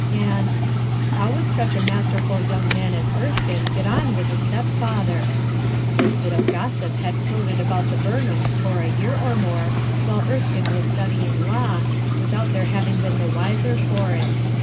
And — How would such a masterful young man as Erskine get on with a stepfather ? This bit of gossip had floated about the Bumhams for a year or more, while Erskine was studying law, without their having been the wiser for it.